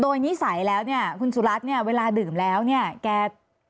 โดยนิสัยแล้วเนี่ยคุณสุรัตน์เนี่ยเวลาดื่มแล้วเนี่ยแก